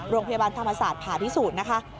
โรงพยาบาลธรรมศาสตร์ผ่าพิสูจน์นะคะ